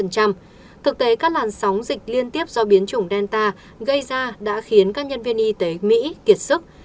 thực tế các làn sóng dịch liên tiếp do biến chủng delta gây ra đã khiến các nhân viên y tế mỹ kiệt sức